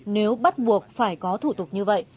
nếu bắt buộc phải có thủ tục như vậy